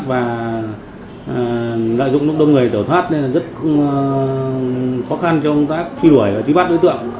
và lợi dụng lúc đông người tẩu thoát nên rất khó khăn trong công tác truy đuổi và truy bắt đối tượng